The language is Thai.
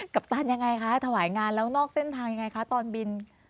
ปตันยังไงคะถวายงานแล้วนอกเส้นทางยังไงคะตอนบิน